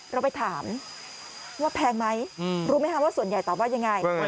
เราไปถามว่าแพงไหมรู้ไหมคะว่าส่วนใหญ่ตอบว่ายังไง